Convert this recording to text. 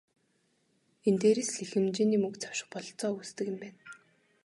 Энэ дээрээс л их хэмжээний мөнгө завших бололцоо үүсдэг юм байна.